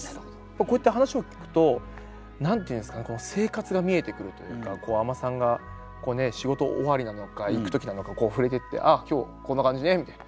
こうやって話を聞くと何て言うんですか生活が見えてくるというか海女さんが仕事終わりなのか行く時なのかこう触れていって「ああ今日こんな感じね」みたいな。